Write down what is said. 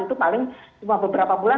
itu paling cuma beberapa bulan